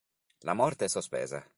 La morte sospesa